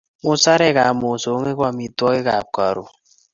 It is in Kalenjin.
Musarekap mosongik ko amitwogikap karon